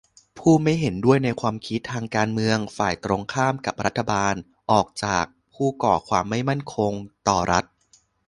ผู้ไม่เห็นด้วยในความคิดทางการเมือง ฝ่ายตรงข้ามกับรัฐบาล ออกจาก ผู้ก่อความไม่มั่นคงต่อรัฐ